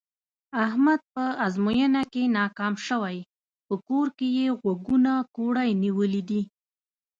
احمد په ازموینه کې ناکام شوی، په کور کې یې غوږونه کوړی نیولي دي.